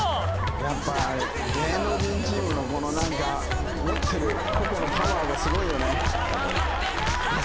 やっぱ芸能人チームのこの何か持ってる個々のパワーがスゴいよねいや